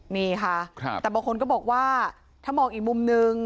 นี่ค่ะแต่บางคนก็บอกว่าถ้ามองอีกมุมนึง